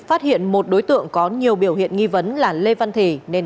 phát hiện một đối tượng có nhiều biểu hiện nghi vấn